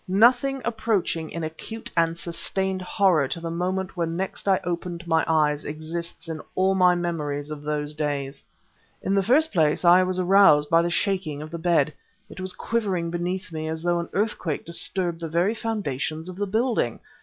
Nothing approaching in acute and sustained horror to the moment when next I opened my eyes exists in all my memories of those days. In the first place I was aroused by the shaking of the bed. It was quivering beneath me as though an earthquake disturbed the very foundations of the building.